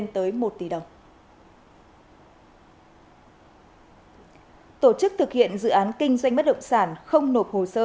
tổ chức thực hiện dự án kinh doanh bất động sản không nộp hồ sơ